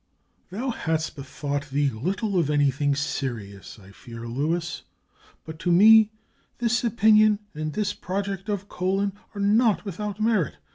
"Thou hast bethought thee little of anything serious, I fear, Luis; but to me, this opinion and this project of Colon are not without merit.